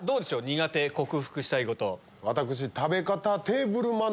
苦手克服したいこと。